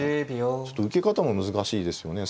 ちょっと受け方も難しいですよね。